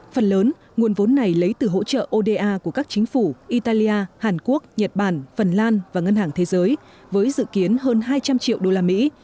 phần lớn nguồn vốn này lấy từ hỗ trợ oda của các chính phủ italia hàn quốc nhật bản phần lan và ngân hàng thế giới với dự kiến hơn hai trăm linh triệu đô la mỹ